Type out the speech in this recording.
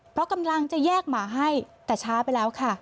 เพราะกำลังจะแยกหมาให้แต่ช้าไปแล้วค่ะ